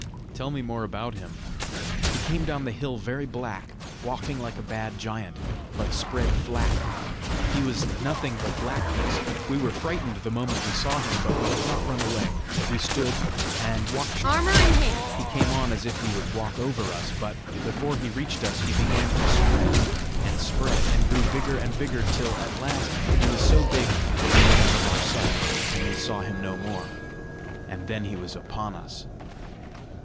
"Tell me more about him." "He came down the hill very black, walking like a bad giant, but spread flat. He was nothing but blackness. We were frightened the moment we saw him, but we did not run away; we stood and watched him. He came on as if he would walk over us. But before he reached us, he began to spread and spread, and grew bigger end bigger, till at last he was so big that he went out of our sight, and we saw him no more, and then he was upon us!"